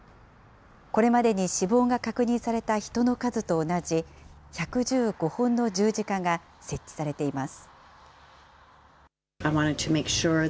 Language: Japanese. これまでに死亡が確認された人の数と同じ、１１５本の十字架が設置されています。